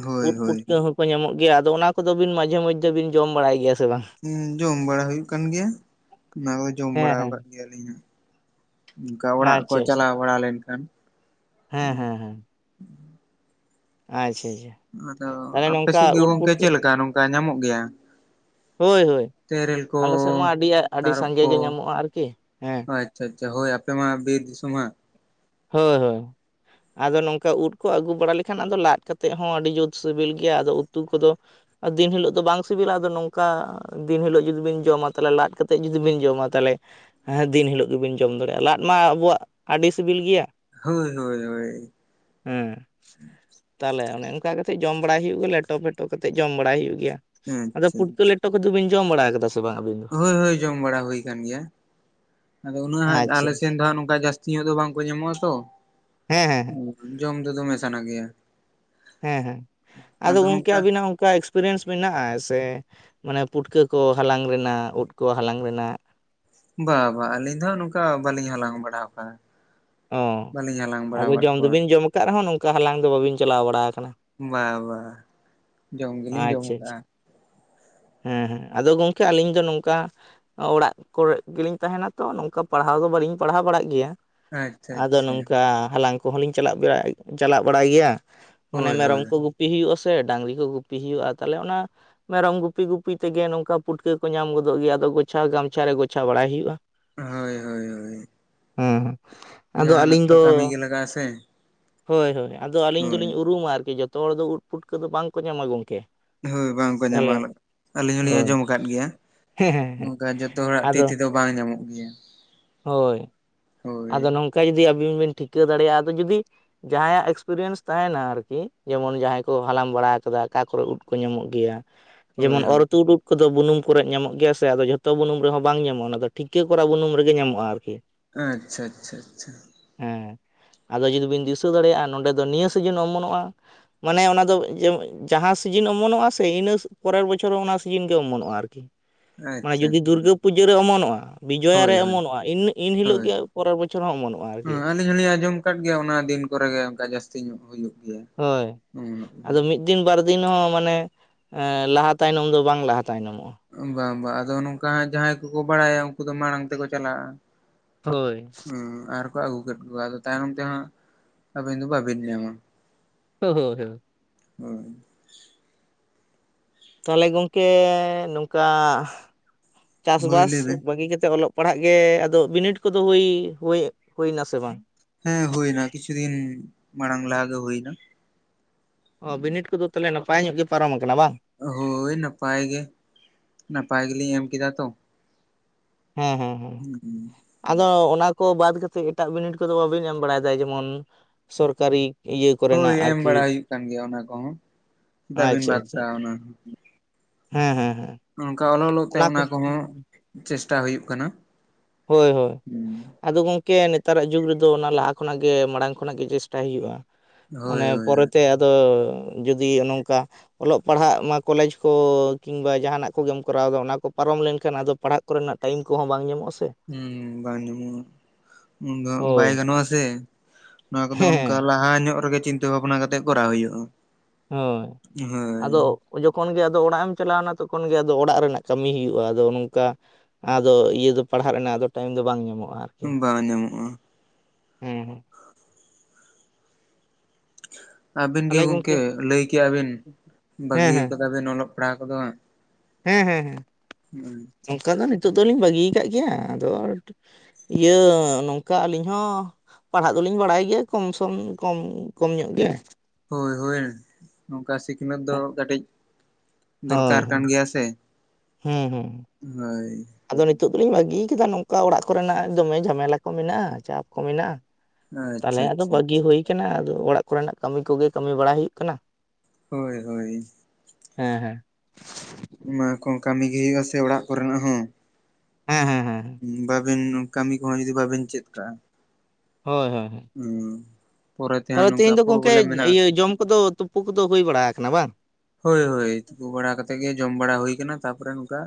ᱦᱳᱭ ᱩᱫ ᱦᱳᱭ ᱯᱩᱴᱠᱟᱹ ᱦᱳᱭ ᱦᱚᱸᱠᱚ ᱧᱟᱢᱚᱜ ᱜᱮᱭᱟ᱾ ᱟᱫᱚ ᱚᱱᱟ ᱠᱚᱫᱚ ᱵᱤᱱ ᱢᱟᱡᱷᱮ ᱢᱚᱫᱽᱫᱷᱮ ᱵᱤᱱ ᱡᱚᱢ ᱵᱟᱲᱟᱭ ᱜᱮᱭᱟ ᱥᱮ ᱵᱟᱝ? ᱦᱩᱸ ᱡᱚᱢ ᱵᱟᱲᱟ ᱦᱩᱭᱩᱜ ᱠᱟᱱ ᱜᱮᱭᱟ ᱚᱱᱟ ᱠᱚᱫᱚ ᱡᱚᱢ ᱦᱮᱸ ᱵᱟᱲᱟ ᱦᱮᱸ ᱟᱠᱟᱫ ᱜᱮᱭᱟᱞᱤᱧ ᱦᱟᱜ᱾ ᱚᱱᱠᱟ ᱚᱲᱟᱜ ᱠᱚ ᱟᱪᱪᱷᱟ ᱟᱪᱪᱷᱟ ᱪᱟᱞᱟᱣ ᱵᱟᱲᱟ ᱞᱮᱱᱠᱷᱟᱱ, ᱦᱩᱸ ᱦᱮᱸ ᱦᱮᱸ ᱦᱮᱸ ᱟᱪᱪᱷᱟ ᱟᱪᱪᱷᱟ ᱟᱫᱚ ᱛᱟᱦᱚᱞᱮ ᱱᱚᱝᱠᱟ ᱟᱯᱮᱥᱮᱫ ᱜᱮ ᱩᱫ ᱜᱚᱝᱠᱮ ᱯᱩᱴᱠᱟᱹ ᱪᱮᱫᱞᱮᱠᱟ ᱚᱱᱠᱟ ᱧᱟᱢᱚᱜ ᱜᱮᱭᱟ? ᱦᱳᱭ ᱦᱳᱭ ᱛᱮᱨᱮᱞ ᱠᱚ? ᱟᱞᱮ ᱥᱮᱫ ᱢᱟ ᱟᱹᱰᱤ ᱟᱹᱰᱤ ᱛᱟᱨᱚᱵ ᱥᱟᱸᱜᱮ ᱠᱚ ᱜᱮ ᱧᱟᱢᱚᱜᱼᱟ ᱟᱨᱠᱤ ᱦᱮᱸ, ᱟᱪᱪᱷᱟ ᱟᱪᱪᱷᱟ ᱦᱳᱭ ᱟᱯᱮ ᱢᱟ ᱵᱤᱨ ᱥᱚᱢ ᱦᱟᱸᱜ ᱦᱳᱭ ᱦᱳᱭ ᱟᱫᱚ ᱱᱚᱝᱠᱟ ᱩᱫ ᱠᱚ ᱟᱹᱜᱩ ᱵᱟᱲᱟ ᱞᱮᱠᱷᱟᱱ ᱟᱫᱚ ᱞᱟᱫ ᱠᱟᱛᱮᱫ ᱦᱚᱸ ᱟᱹᱰᱤ ᱡᱩᱛ ᱥᱤᱵᱤᱞ ᱜᱮᱭᱟ ᱟᱫᱚ ᱩᱛᱩ ᱠᱚᱫᱚ ᱟᱨ ᱫᱤᱱ ᱦᱤᱞᱳᱜ ᱫᱚ ᱵᱟᱝ ᱥᱤᱵᱤᱞᱟ ᱟᱫᱚ ᱱᱚᱝᱠᱟ ᱚᱠᱟ ᱫᱤᱱ ᱦᱤᱞᱳᱜ ᱡᱩᱫᱤ ᱵᱮᱱ ᱡᱚᱢᱟ ᱛᱟᱦᱚᱞᱮ ᱞᱟᱫ ᱠᱟᱛᱮᱫ ᱡᱩᱫᱤ ᱵᱮᱱ ᱡᱚᱢᱟ ᱛᱟᱦᱚᱞᱮ ᱦᱮᱸ ᱫᱤᱱ ᱦᱤᱞᱳᱜ ᱜᱮᱵᱮᱱ ᱡᱚᱢ ᱫᱟᱲᱮᱭᱟᱜᱼᱟ ᱞᱟᱫ ᱢᱟ ᱟᱵᱚᱣᱟᱜ ᱟᱹᱰᱤ ᱥᱤᱵᱤᱞ ᱜᱮᱭᱟ ᱦᱚᱭ ᱦᱚᱭ ᱦᱚᱭ ᱦᱮᱸ ᱛᱟᱦᱞᱮ ᱚᱱᱮ ᱚᱱᱠᱟ ᱠᱟᱛᱮᱮᱫ ᱡᱚᱢ ᱵᱟᱲᱲᱟ ᱦᱩᱭᱩᱜ ᱜᱮᱭᱟ ᱞᱮᱴᱚ ᱯᱷᱮᱴᱚ ᱠᱟᱛᱮᱮᱫ ᱡᱚᱢ ᱵᱟᱲᱟᱭ ᱦᱩᱭᱩᱜ ᱜᱮᱭᱟ᱾ ᱦᱮᱸ ᱟᱫᱚ ᱯᱩᱴᱠᱟᱹ ᱞᱮᱴᱚ ᱠᱚᱫᱚ ᱵᱤᱱ ᱡᱚᱢ ᱵᱟᱲᱟ ᱠᱟᱫᱟ ᱥᱮ ᱵᱟᱝ ᱟᱹᱵᱤᱱ ᱫᱚ ᱦᱚᱭ ᱦᱚᱭ ᱡᱚᱢ ᱵᱟᱲᱟ ᱦᱩᱭ ᱟᱠᱟᱱ ᱜᱮᱭᱟ ᱟᱫᱚ ᱩᱱᱟᱹᱜ ᱦᱟᱜ ᱟᱪᱪᱷᱟ ᱟᱞᱮᱮᱥᱱ ᱫᱚ ᱦᱜ ᱱᱚᱝᱠᱟ ᱡᱟᱹᱥᱛᱤ ᱤᱭᱟᱹ ᱫᱚ ᱵᱟᱝᱠᱚ ᱧᱟᱢᱚᱜ-ᱟ ᱛᱚ ᱦᱮᱸ ᱦᱮᱸ ᱡᱚᱢ ᱫᱚ ᱫᱚᱢᱮ ᱥᱟᱱᱟ ᱜᱮᱭᱟ ᱦᱮᱸ ᱦᱮᱸ ᱟᱫᱚ ᱜᱚᱝᱠᱮ ᱟᱵᱤᱱᱟᱜ ᱚᱱᱠᱟ ᱮᱠᱥᱼᱼ ᱮᱠᱥᱯᱮᱨᱤᱭᱮᱱᱥ ᱢᱮᱱᱟᱜ-ᱟ ᱥᱮ ᱢᱟᱱᱮ ᱯᱩᱴᱠᱟᱹ ᱠᱚ ᱦᱟᱞᱟᱝ ᱨᱮᱱᱟᱜ ᱩᱫ ᱠᱚ ᱦᱟᱞᱟᱝ ᱨᱮᱱᱟᱜ ᱵᱟ ᱵᱟᱝ ᱟᱹᱞᱤᱧ ᱫᱚᱦᱟᱜ ᱱᱚᱝᱠᱟ ᱵᱟᱟᱹᱞᱤᱧ ᱦᱟᱞᱟᱝ ᱵᱟᱲᱟ ᱣᱟᱠᱟᱫ-ᱟ᱾ ᱚ ᱟᱫᱚ ᱡᱚᱢ ᱠᱚᱣᱟ ᱫᱚᱵᱤᱱ ᱡᱚᱢ ᱟᱠᱟᱫ ᱨᱮᱦᱚᱸ ᱱᱚᱝᱠᱟ ᱦᱟᱞᱟᱝ ᱫᱚ ᱵᱟᱹᱵᱤᱱ ᱪᱟᱞᱟᱣ ᱵᱟᱲᱟ ᱟᱠᱟᱱᱟ᱾ ᱵᱟ ᱵᱟ ᱡᱚᱢ ᱜᱮᱞᱤᱧ ᱡᱚᱢ ᱟᱪᱷᱟ ᱟᱪᱷᱟ ᱟᱠᱟᱜᱼᱟ ᱦᱮᱸ ᱦᱮᱸ ᱟᱫᱚ ᱜᱚᱝᱠᱮ ᱟᱹᱞᱤᱧ ᱫᱚ ᱱᱚᱝᱠᱟᱼᱼ ᱚᱲᱟᱜ ᱠᱚᱨᱮ ᱜᱮᱞᱤᱧ ᱛᱟᱦᱮᱱᱟ ᱛᱚ ᱱᱚᱝᱠᱟ ᱯᱟᱲᱦᱟᱣ ᱫᱚ ᱵᱟᱹᱞᱤᱧ ᱯᱟᱲᱦᱟᱣ ᱵᱟᱲᱟᱜ ᱜᱮᱭᱟ᱾ ᱟᱪᱪᱷᱟ ᱟᱫᱚ ᱟᱪᱪᱷᱟ ᱱᱚᱝᱠᱟ ᱦᱟᱞᱟᱝ ᱠᱚᱦᱚᱸ ᱞᱤᱧ ᱪᱟᱞᱟᱜ ᱵᱟᱲᱟᱭ ᱪᱟᱞᱟᱜ ᱵᱟᱲᱟᱭ ᱜᱮᱭᱟ᱾ ᱢᱟᱱᱮ ᱦᱳᱭ ᱦᱳᱭ ᱢᱮᱨᱚᱢ ᱠᱚ ᱜᱩᱯᱤ ᱦᱩᱭᱩᱜᱼᱟᱥᱮ ᱰᱟᱝᱨᱤ ᱠᱚ ᱜᱩᱯᱤ ᱦᱩᱭᱩᱜᱼᱟ ᱛᱟᱦᱞᱮ ᱚᱱᱟᱼᱼ ᱢᱮᱨᱚᱢ ᱜᱩᱯᱤ ᱜᱩᱯᱤ ᱛᱮᱜᱮ ᱱᱚᱝᱠᱟ ᱯᱩᱴᱠᱟᱹ ᱠᱚ ᱧᱟᱢ ᱜᱚᱫᱚᱜ ᱜᱮᱭᱟ ᱟᱫᱚ ᱜᱚᱪᱷᱟ ᱜᱟᱢᱪᱷᱟ ᱨᱮ ᱜᱚᱪᱷᱟ ᱵᱟᱲᱟᱭ ᱦᱩᱭᱩᱜᱼᱟ᱾ ᱦᱚᱭ ᱦᱚᱭ ᱦᱚᱭ ᱦᱮᱸ ᱦᱮᱸ ᱡᱟᱦᱱᱟᱜ ᱠᱚ ᱠᱟᱹᱢᱤ ᱜᱮ ᱞᱟᱜᱟᱜ ᱟᱥᱮ ᱦᱚᱭ ᱦᱚᱭ ᱟᱫᱚ ᱟᱹᱞᱤᱧ ᱫᱚᱞᱤᱧ ᱩᱨᱩᱢᱟ ᱟᱨᱠᱤ ᱡᱚᱛᱚ ᱦᱚᱲ ᱫᱚ ᱩᱫ ᱯᱷᱩᱴᱠᱟᱹ ᱫᱚ ᱵᱟᱝᱠᱚ ᱧᱟᱢᱟ ᱜᱚᱢᱠᱮ᱾ ᱦᱚᱭ ᱵᱟᱝᱠᱚ ᱧᱟᱢᱟ [unintelligible] ᱟᱹᱞᱤᱧ ᱦᱚᱞᱤᱧ ᱦᱳᱭ ᱟᱸᱡᱚᱢ ᱟᱠᱟᱫ ᱜᱮᱭᱟ᱾ ᱦᱮᱸ ᱦᱮᱸ ᱦᱮᱸ ᱱᱚᱝᱠᱟ ᱡᱚᱛᱚ ᱦᱚᱲᱟᱜ ᱛᱤ ᱛᱮᱫᱚ ᱵᱟᱝ ᱧᱟᱢᱚᱜ ᱜᱮᱭᱟ᱾ ᱦᱚᱭ ᱦᱳᱭ ᱟᱫᱚ ᱱᱚᱝᱠᱟ ᱡᱩᱫᱤ ᱟᱹᱵᱤᱱ ᱵᱤᱱ ᱴᱷᱤᱠᱟᱹ ᱫᱟᱲᱮᱭᱟᱜᱼᱟ ᱟᱫᱚ ᱡᱩᱫᱤ ᱡᱟᱦᱟᱸᱭᱟᱜ ᱮᱠᱥᱯᱨᱤᱭᱮᱱᱥ ᱛᱟᱦᱮᱱᱟ ᱟᱨᱠᱤ ᱡᱮᱢᱚᱱ ᱡᱟᱦᱟᱸᱭ ᱠᱚ ᱦᱟᱞᱟᱝ ᱵᱟᱲᱟ ᱟᱠᱟᱫᱟ ᱚᱠᱟ ᱠᱚᱨᱮ ᱩᱫ ᱠᱚ ᱧᱟᱢᱚᱜ ᱜᱮᱭᱟᱼᱼ ᱦᱳᱭ ᱡᱮᱢᱚᱱ ᱦᱳᱭ ᱚᱨᱛᱩᱫ ᱩᱫᱼᱼ ᱠᱚᱫᱚ ᱵᱩᱱᱩᱢ ᱠᱚᱨᱮ ᱧᱟᱢᱚᱜ ᱜᱮᱭᱟ ᱥᱮ ᱟᱫᱚ ᱡᱷᱚᱛᱚ ᱵᱩᱱᱩᱢ ᱨᱮᱦᱚᱸ ᱵᱟᱝ ᱧᱟᱢᱚᱜ-ᱟ ᱚᱱᱟ ᱫᱚ ᱴᱷᱤᱠᱟᱹ ᱠᱚᱨᱟ ᱵᱩᱱᱩᱢ ᱨᱮᱜᱮ ᱧᱟᱢᱚᱜ-ᱟ ᱟᱨᱠᱤ᱾ ᱟᱪᱪᱷᱟ ᱟᱪᱷᱟ ᱪᱷᱟ ᱦᱮᱸ ᱟᱫᱚ ᱡᱩᱫᱤ ᱵᱤᱱ ᱫᱤᱥᱟᱹ ᱫᱟᱲᱮᱭᱟᱜ-ᱟ ᱱᱚᱸᱰᱮ ᱫᱚ ᱱᱤᱭᱟᱹ ᱥᱤᱡᱤᱱ ᱚᱢᱚᱱᱚᱜ-ᱟ᱾ ᱢᱟᱱᱮ ᱚᱱᱟᱫᱚ ᱡᱮ ᱡᱟᱦᱟᱸ ᱥᱤᱡᱤᱱ ᱚᱢᱚᱱᱚᱜ-ᱟ ᱥᱮ ᱤᱱᱟᱹᱥ ᱯᱚᱨᱮᱨ ᱵᱚᱪᱷᱚᱨ ᱦᱚᱸ ᱚᱱᱟ ᱥᱤᱡᱤᱱ ᱜᱮ ᱚᱢᱚᱱᱚᱜ-ᱟ ᱟᱨᱠᱤ ᱢᱟ ᱟᱪᱪᱷᱟ ᱡᱩᱫᱤ ᱟᱪᱪᱷᱟ ᱫᱩᱨᱜᱟᱹ ᱯᱩᱡᱟᱹ ᱨᱮ ᱚᱢᱚᱱᱚᱜ-ᱟ ᱵᱤᱡᱚᱭᱟ ᱦᱳᱭ ᱨᱮ ᱦᱳᱭ ᱚᱢᱚᱱᱚᱜ-ᱟ ᱤᱱ ᱤᱱ ᱦᱤᱞᱚᱜ ᱦᱳᱭ ᱜᱮ ᱯᱚᱨᱮᱨ ᱵᱚᱪᱷᱚᱨ ᱦᱚᱸ ᱚ ᱮᱢᱚᱱᱚᱜ-ᱟ ᱟᱨᱠᱤ ᱦᱮᱸ ᱟᱹᱞᱤᱧ ᱦᱚᱸᱞᱤᱧ ᱟᱸᱡᱚᱢ ᱟᱠᱟᱫ ᱜᱮᱭᱟ ᱚᱱᱟ ᱫᱤᱱ ᱠᱚᱨᱮ ᱜᱮ ᱚᱱᱠᱟ ᱡᱟᱹᱥᱛᱤ ᱧᱚᱜ ᱦᱩᱭᱩᱜ ᱜᱮᱭᱟ᱾ ᱦᱚᱭ ᱟᱫᱚ ᱢᱤᱫ ᱫᱤᱱ ᱵᱟᱨ ᱫᱤᱱ ᱦᱚᱸ ᱢᱟᱱᱮ ᱞᱟᱦᱟ ᱛᱟᱭᱱᱚᱢ ᱫᱚ ᱵᱟᱝ ᱞᱟᱦᱟ ᱛᱟᱭᱱᱚᱢᱚᱜ-ᱟ᱾ ᱵᱟᱝ ᱵᱟ ᱟᱫᱚ ᱱᱚᱝᱠᱟ ᱦᱟᱸᱜ ᱡᱟᱦᱟᱸᱭ ᱠᱚᱠᱚ ᱵᱟᱲᱟᱭᱟ ᱩᱱᱠᱩ ᱫᱚ ᱢᱟᱲᱟᱝ ᱛᱮᱠᱚ ᱪᱟᱞᱟᱜ-ᱟ᱾ ᱦᱚᱭ ᱦᱩᱸ ᱟᱨᱠᱚ ᱟᱹᱜᱩ ᱠᱮᱫ ᱠᱚᱣᱟ ᱟᱫᱚ ᱛᱟᱭᱱᱚᱢ ᱛᱮᱦᱟᱸᱜ ᱟᱹᱵᱤᱱ ᱫᱚ ᱵᱟᱵᱤᱱ ᱧᱟᱢᱟ ᱦᱚᱻᱭ ᱦᱚ ᱦᱚᱭ ᱦᱚᱭ ᱛᱟᱦᱞᱮ ᱜᱚᱝᱠᱮ ᱱᱚᱝᱠᱟ ᱦᱳᱭ ᱪᱟᱥᱵᱟᱥ ᱞᱟᱹᱭ ᱵᱮᱱ ᱵᱟᱹᱜᱤ ᱠᱟᱛᱮᱜ ᱚᱞᱚᱜ ᱯᱟᱲᱦᱟᱜ ᱜᱮ ᱟᱫᱚ ᱵᱤᱱᱤᱰ ᱠᱚᱫᱚ ᱦᱩᱭ ᱦᱩᱭ ᱦᱩᱭᱮᱱᱟ ᱥᱮ ᱵᱟᱝ ᱦᱮᱸ ᱦᱩᱭᱱᱟ ᱠᱤᱪᱷᱩ ᱫᱤᱱ ᱢᱟᱲᱟᱝ ᱞᱟᱦᱟᱜᱮ ᱦᱩᱭᱱᱟ ᱚ ᱵᱤᱱᱤᱰ ᱠᱚᱫᱚ ᱛᱟᱦᱚᱞᱮ ᱱᱟᱯᱟᱭ ᱧᱚᱜ ᱜᱮ ᱯᱟᱨᱚᱢ ᱟᱠᱟᱱᱟ ᱵᱟᱝ ᱦᱳᱭ ᱱᱟᱯᱟᱭ ᱜᱮ ᱱᱟᱯᱟᱭ ᱜᱮᱞᱤᱧ ᱮᱢ ᱠᱮᱫᱟ ᱛᱚ ᱦᱮᱸ ᱦᱮᱸ ᱦᱮᱸ ᱦᱩᱸ ᱦᱩᱸ ᱟᱫᱚ ᱚᱱᱟ ᱠᱚ ᱵᱟᱫᱽ ᱠᱟᱛᱮᱫ ᱮᱴᱟᱜ ᱵᱤᱱᱤᱰ ᱠᱚᱫᱚ ᱵᱟᱵᱮᱱ ᱮᱢ ᱵᱟᱲᱟᱭᱮᱫᱟ ᱡᱮᱢᱚᱱ ᱥᱚᱨᱠᱟᱨᱤ ᱤᱭᱟᱹ ᱠᱚᱨᱮᱱᱟᱜ ᱦᱳᱭ ᱮᱢ ᱟᱨᱠᱤ ᱵᱟᱲᱟ ᱦᱩᱭᱩᱜ ᱠᱟᱱ ᱜᱮᱭᱟ ᱚᱱᱟ ᱠᱚᱦᱚᱸ ᱪᱮᱫᱟᱜ ᱵᱮᱱ ᱟᱪᱪᱷᱟ ᱵᱟᱫ ᱟᱪᱪᱷᱟ ᱠᱟᱜᱼᱟ ᱚᱱᱟ ᱦᱮᱸ ᱦᱮᱸ ᱦᱮᱸ ᱚᱱᱠᱟ ᱚᱞᱚᱞᱚᱜ ᱛᱮ ᱚᱱᱟ ᱠᱚᱦᱚᱸ ᱪᱮᱥᱴᱟ ᱦᱩᱭᱩᱜ ᱠᱟᱱᱟ ᱦᱳᱭ ᱦᱳᱭ ᱟᱫᱚ ᱜᱚᱝᱠᱮ ᱱᱮᱛᱟᱨᱟᱜ ᱡᱩᱜᱽ ᱨᱮᱫᱚ ᱚᱱᱟ ᱞᱟᱦᱟ ᱠᱷᱚᱱᱟᱜ ᱜᱮ ᱢᱟᱲᱟᱝ ᱠᱷᱚᱱᱟᱜ ᱜᱮ ᱪᱮᱥᱴᱟᱭ ᱦᱩᱭᱩᱜᱼᱟ ᱦᱳᱭ ᱢᱟᱱᱮ ᱦᱳᱭ ᱯᱚᱨᱮᱛᱮ ᱟᱫᱚ ᱡᱩᱫᱤ ᱱᱚᱝᱠᱟ ᱚᱞᱚᱜ ᱯᱟᱲᱦᱟᱜ ᱢᱟ ᱠᱚᱞᱮᱡᱽ ᱠᱚ ᱠᱤᱝᱵᱟ ᱡᱟᱦᱟᱱᱟᱜ ᱠᱚᱜᱮᱢ ᱠᱚᱨᱟᱣᱫᱟ ᱚᱱᱟ ᱠᱚ ᱯᱟᱨᱚᱢ ᱞᱮᱱᱠᱷᱟᱱ ᱟᱫᱚ ᱯᱟᱲᱦᱟᱜ ᱠᱚᱨᱮᱱᱟᱜ ᱴᱟᱭᱤᱢ ᱠᱚᱦᱚᱸ ᱵᱟᱝ ᱧᱟᱢᱚᱜᱼᱟ ᱥᱮ ᱦᱩ ᱵᱟᱝ ᱧᱟᱢᱚᱜᱼᱟ ᱩᱱᱫᱚ ᱦᱟᱜ ᱵᱟᱭ ᱦᱳᱭ ᱜᱟᱱᱚᱜᱼᱟ ᱥᱮ ᱱᱚᱣᱟ ᱠᱚᱫᱚ ᱚᱱᱠᱟ ᱦᱮᱸ ᱞᱟᱦᱟ ᱧᱚᱜ ᱨᱮᱜᱮ ᱪᱤᱱᱛᱟᱹ ᱵᱷᱟᱵᱱᱟ ᱠᱟᱛᱮᱜ ᱠᱚᱨᱟᱣ ᱦᱩᱭᱩᱜᱼᱟ ᱦᱳᱭ ᱦᱳᱭ ᱟᱫᱚ ᱡᱚᱠᱷᱚᱱ ᱜᱮ ᱟᱫᱚ ᱚᱲᱟᱜ ᱮᱢ ᱪᱟᱞᱟᱣᱱᱟ ᱛᱚᱠᱷᱚᱱ ᱜᱮ ᱟᱫᱚ ᱚᱲᱟᱜ ᱨᱮᱱᱟᱜ ᱠᱟᱹᱢᱤ ᱦᱩᱭᱩᱜᱼᱟ ᱟᱫᱚ ᱱᱚᱝᱠᱟ ᱟᱫᱚ ᱤᱭᱟᱹ ᱫᱚ ᱯᱟᱲᱦᱟᱜ ᱨᱮᱱᱟᱜ ᱟᱫᱚ ᱴᱟᱭᱤᱢ ᱫᱚ ᱵᱟᱝ ᱧᱟᱢᱚᱜᱼᱟ ᱵᱟᱝ ᱧᱟᱢᱚᱜᱼᱟ ᱦᱩᱸ ᱦᱩᱸ ᱟᱵᱤᱱ ᱜᱤ ᱛᱟᱦᱚᱞᱮ ᱜᱚᱢᱠᱮ ᱜᱚᱝᱠᱮ ᱞᱟᱹᱭ ᱠᱮᱜᱼᱟ ᱵᱤᱱ ᱦᱮᱸ ᱵᱟᱹᱜᱤ ᱦᱮᱸ ᱠᱟᱫᱟ ᱵᱤᱱ ᱚᱞᱚᱜ ᱯᱟᱲᱦᱟᱣ ᱠᱚᱫᱚ ᱦᱟᱸᱜ ᱦᱮᱸ ᱦᱮᱸ ᱦᱮᱸ ᱚᱝᱠᱟ ᱫᱚ ᱱᱤᱛᱳ ᱫᱚᱞᱤᱧ ᱵᱟᱹᱜᱤᱭᱟ ᱠᱟᱫ ᱜᱮᱭᱟ ᱟᱫᱚ ᱤᱭᱟᱹ ᱱᱚᱝᱠᱟ ᱟᱹᱞᱤᱧ ᱦᱚᱸ ᱯᱟᱲᱦᱟᱜ ᱫᱚᱞᱤᱧ ᱵᱟᱲᱟᱭ ᱜᱮᱭᱟ ᱠᱚᱢᱥᱚᱢ ᱠᱚᱢ ᱠᱚᱢ ᱧᱚᱜ ᱜᱮ ᱦᱳᱭ ᱦᱳᱭ ᱱᱚᱝᱠᱟ ᱥᱤᱠᱷᱱᱟᱹᱛ ᱫᱚ ᱦᱮᱸ, ᱠᱟᱹᱴᱤᱡ ᱫᱚᱨᱠᱟᱨ ᱠᱟᱱ ᱜᱮᱭᱟ ᱥᱮ ᱦᱩᱸ ᱦᱩᱸ ᱦᱳᱭ ᱟᱫᱚ ᱱᱤᱛᱳᱜ ᱫᱚᱞᱤᱧ ᱵᱟᱹᱜᱤ ᱠᱟᱫᱟ ᱱᱚᱝᱠᱟ ᱚᱲᱟᱜ ᱠᱚᱨᱮᱱᱟᱜ ᱫᱚᱢᱮ ᱡᱷᱟᱢᱮᱞᱟ ᱠᱚ ᱢᱮᱱᱟᱜᱼᱟ ᱪᱟᱯ ᱠᱚ ᱢᱮᱱᱟᱜᱼᱟ ᱟᱪᱪᱷᱟ ᱛᱟᱞᱦᱮ ᱟᱫᱚ ᱟᱪᱪᱷᱟ ᱵᱟᱹᱜᱤ ᱟᱪᱪᱷᱟ ᱦᱩᱭ ᱠᱟᱱᱟ ᱟᱫᱚ ᱚᱲᱟᱜ ᱠᱚᱨᱮᱱᱟᱜ ᱠᱟᱹᱢᱤ ᱠᱚᱜᱮ ᱠᱟᱹᱢᱤ ᱵᱟᱲᱟ ᱦᱩᱭᱩᱜ ᱠᱟᱱᱟ ᱦᱳᱭ ᱦᱳᱭ ᱦᱮᱸ ᱦᱮᱸ ᱚᱱᱟ ᱠᱚ ᱠᱟᱹᱢᱤ ᱜᱮ ᱦᱩᱭᱩᱜᱼᱟ ᱥᱮ ᱚᱲᱟᱜ ᱠᱚᱨᱮᱱᱟᱜ ᱦᱚᱸ ᱦᱮᱸ ᱦᱮᱸ ᱦᱮᱸ ᱵᱟᱵᱤᱱ ᱠᱟᱹᱢᱤ ᱠᱚᱦᱚᱸ ᱡᱩᱫᱤ ᱵᱟᱵᱤᱱ ᱪᱮᱫ ᱠᱟᱜᱼᱟ ᱦᱳᱭ ᱦᱳᱭ ᱦᱳᱭ ᱯᱚᱨᱮ ᱛᱮᱦᱟᱸᱜ ᱱᱚᱝᱠᱟ ᱜᱚᱝᱠᱮ ᱯᱨᱚᱵᱞᱮᱢ ᱢᱮᱱᱟᱜ ᱤᱭᱟᱹ ᱟᱥᱮ ᱡᱚᱢ ᱠᱚᱫᱚ ᱛᱩᱯᱩ ᱠᱚᱫᱚ ᱦᱩᱭ ᱵᱟᱲᱟᱣᱠᱟᱱᱟ ᱵᱟᱝ ᱦᱳᱭ ᱦᱳᱭ ᱛᱩᱯᱩ ᱵᱟᱲᱟ ᱠᱟᱛᱮ ᱜᱮ ᱡᱚᱢ ᱵᱟᱲᱟ ᱦᱩᱭ ᱠᱟᱱᱟ ᱛᱟᱯᱚᱨᱮ ᱱᱚᱝᱠᱟ